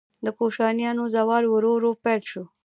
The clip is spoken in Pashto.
د کوشانیانو زوال ورو ورو پیل شو